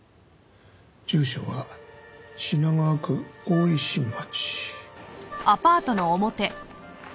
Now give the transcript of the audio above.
住所は「品川区大井新町」。